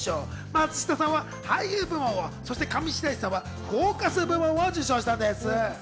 松下さんは俳優部門を、そして上白石さんはフォーカス部門を受賞したんです。